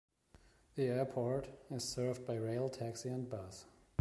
The airport is served by rail, taxi, and bus.